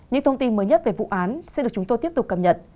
những thông tin mới nhất về vụ án sẽ được chúng tôi tiếp tục cập nhật